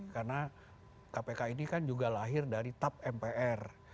karena kpk ini kan juga lahir dari tap mpl